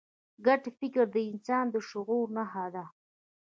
ګډ فکر د انسان د شعور نښه ده.